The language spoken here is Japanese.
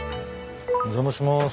お邪魔します。